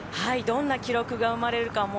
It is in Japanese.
どんな記録が生まれるか